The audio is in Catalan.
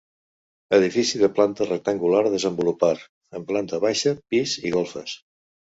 Edifici de planta rectangular desenvolupar en planta baixa, pis i golfes.